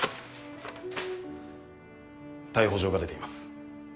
逮捕状が出ています。